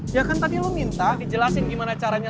ya kan tadi lo minta dijelasin gimana caranya